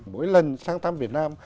mỗi lần sang thăm việt nam